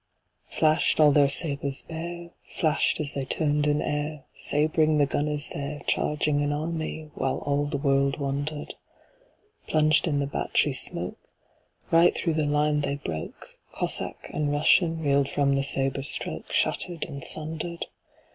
Flash'd all their sabres bare, Flash'd as they turn'd in airSabring the gunners there, Charging an army, whileAll the world wonder'd:Plunged in the battery smokeRight thro' the line they broke; Cossack and RussianReel'd from the sabre strokeShatter'd and sunder'd.